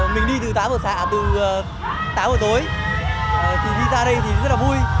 mình đi từ táo ở xã từ táo ở tối thì đi ra đây thì rất là vui